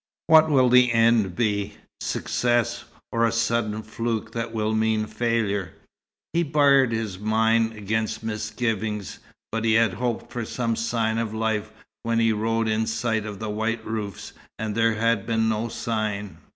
What will the end be success, or a sudden fluke that will mean failure?" He barred his mind against misgivings, but he had hoped for some sign of life when he rode in sight of the white roofs; and there had been no sign.